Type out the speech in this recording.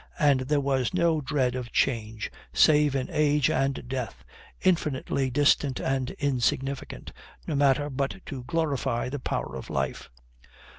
And there was no dread of change, save in age and death, infinitely distant and insignificant no matter but to glorify the power of life.